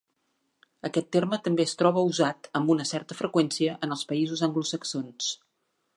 Aquest terme també es troba usat, amb una certa freqüència, en els països anglosaxons.